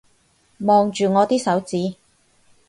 望住我啲手指